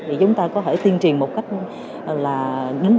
thì chúng ta có thể tiên truyền